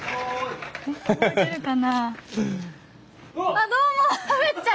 あっどうも。